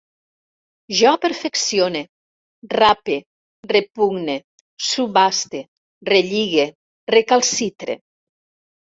Jo perfeccione, rape, repugne, subhaste, relligue, recalcitre